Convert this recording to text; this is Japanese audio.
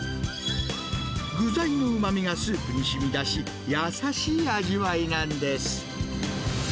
具材のうまみがスープにしみだし、優しい味わいなんです。